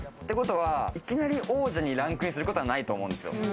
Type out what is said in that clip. いきなり王者にランクインすることはないと思うんです。